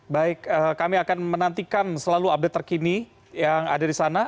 baik kami akan menantikan selalu update terkini yang ada di sana